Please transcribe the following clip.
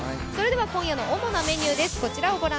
今夜の主なメニューです。